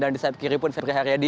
dan di sayap kiri pun febriary heria